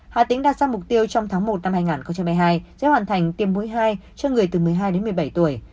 hà tĩnh đạt ra mục tiêu trong tháng một năm hai nghìn hai mươi hai sẽ hoàn thành tiêm mũi hai cho người từ một mươi hai đến một mươi bảy tuổi